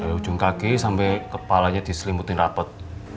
dari ujung kaki sampe kepalanya diselimutin rapet